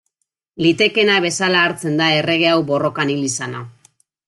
Litekeena bezala hartzen da errege hau borrokan hil izana.